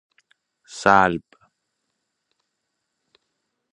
سلب